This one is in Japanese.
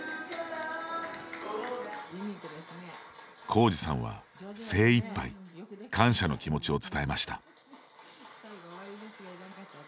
浩直さんは、精いっぱい感謝の気持ちを伝えました。